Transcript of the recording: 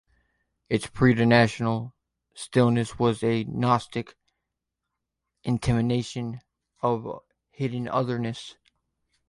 Its preternatural stillness was a gnostic intimation of a hidden otherness.